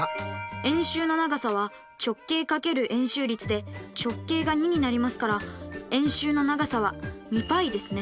円周の長さは直径×円周率で直径が２になりますから円周の長さは２πですね。